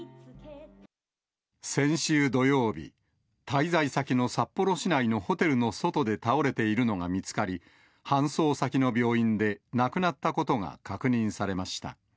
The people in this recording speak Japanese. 先週土曜日、滞在先の札幌市内のホテルの外で倒れているのが見つかり、搬送先の病院で亡くなったことが確認されました。